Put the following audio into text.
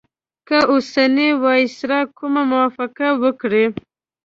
که اوسنی وایسرا کومه موافقه وکړي.